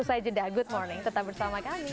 usai jeda good morning tetap bersama kami